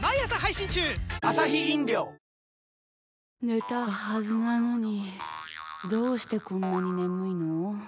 寝たはずなのにどうしてこんなに眠いの。